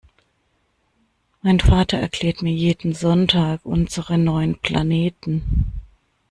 Mein Vater erklärt mir jeden Sonntag unsere neun Planeten.